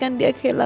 terima kasih bu